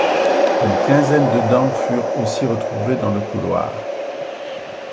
Une quinzaine de dents furent aussi retrouvées dans le couloir.